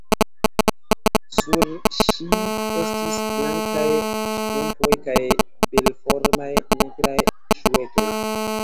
Sur ŝi estis blankaj ŝtrumpoj kaj belformaj, nigraj ŝuetoj.